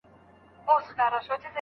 که څېړنه سوې وي نو اټکل نه منل کيږي.